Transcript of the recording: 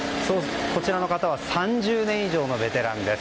こちらの方は３０年以上のベテランです。